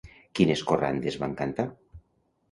Quines corrandes van cantar?